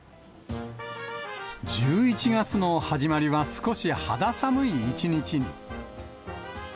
１１月の始まりは少し肌寒い一日に。